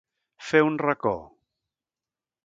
Fer un racó.